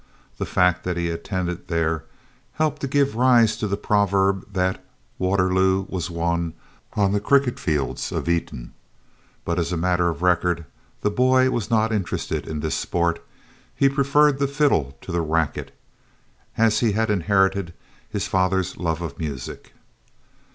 The fact that he attended there helped to give rise to the proverb that "Waterloo was won on the cricket fields of Eton" but as a matter of record the boy was not interested in this sport. He preferred the fiddle to the racquet, as he had inherited his father's love of music.